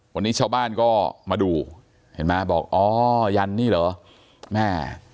วันนี้ชาวบ้านก็มาดูเห็นไหมบอกอ๋อยันนี่เหรอแม่